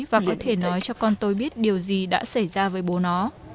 và có thể nói cho con tôi biết điều gì đã xảy ra với mình